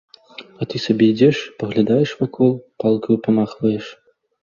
А ты сабе ідзеш, паглядаеш вакол, палкаю памахваеш.